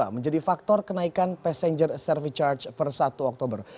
menjadi faktor kenaikan passenger cervice charge per satu oktober